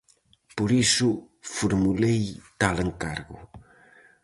Por iso formulei tal encargo.